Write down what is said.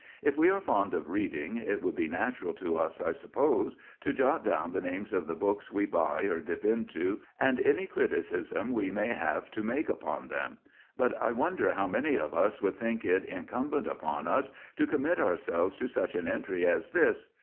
If we are fond of reading, it would be natural to us, I suppose, to jot down the names of the books we buy or dip into, and any criticism we may have to make upon them; but I wonder how many of us would think it incumbent upon us to commit ourselves to such an entry as this?